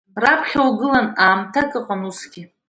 Раԥхьа угылан, аамҭак ыҟан усгьы…